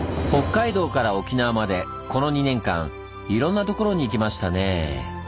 北海道から沖縄までこの２年間いろんなところに行きましたねぇ。